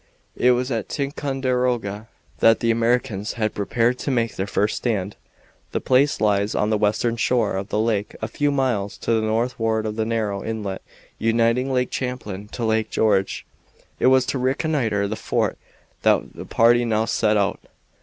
It was at Ticonderoga that the Americans had prepared to make their first stand. The place lies on the western shore of the lake a few miles to the northward of the narrow inlet uniting Lake Champlain to Lake George. It was to reconnoiter the fort that the party now set out.